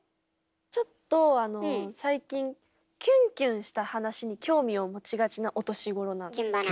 ちょっとあの最近キュンキュンした話に興味を持ちがちなお年頃なんです。